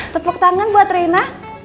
tepuk tangan buat rena